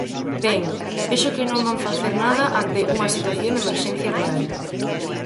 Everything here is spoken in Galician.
Ben, vexo que non van facer nada ante unha situación de emerxencia real.